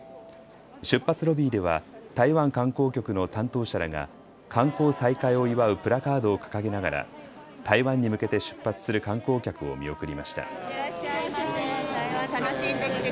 出発ロビーでは台湾観光局の担当者らが観光再開を祝うプラカードを掲げながら台湾に向けて出発する観光客を見送りました。